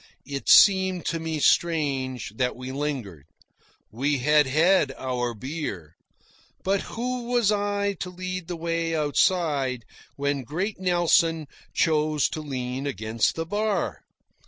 It seemed to me strange that we lingered. We had had our beer. But who was I to lead the way outside when great Nelson chose to lean against the bar?